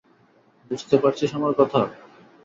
বুঝতে পারছিস আমার কথা?